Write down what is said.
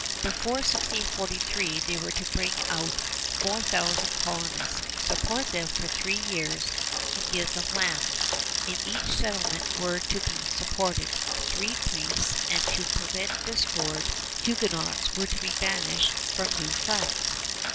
Before 1643 they were to bring out four thousand colonists, support them for three years, and give them land. In each settlement were to be supported three priests; and, to prevent discord, Huguenots were to be banished from New France.